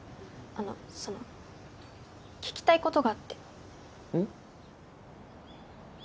あのその聞きたいことがあってうん？